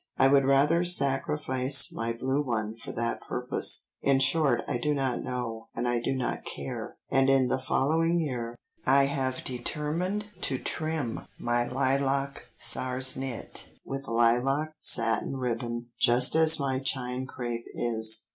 I would rather sacrifice my blue one for that purpose; in short I do not know, and I do not care," and in the following year, "I have determined to trim my lilac sarsenet with lilac satin ribbon just as my chine crape is.